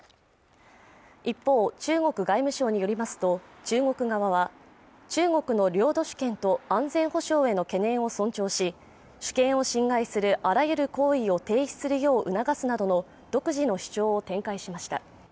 一方中国外務省によりますと中国側は中国の領土主権と安全保障への懸念を尊重し主権を侵害するあらゆる行為を停止するよう促すなどの独自の主張を展開しました